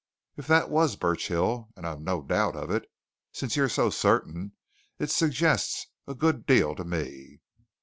If that was Burchill and I've no doubt of it, since you're so certain it suggests a good deal to me."